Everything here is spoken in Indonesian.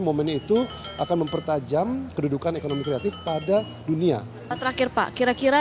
momen itu akan mempertajam kedudukan ekonomi kreatif pada dunia terakhir pak kira kira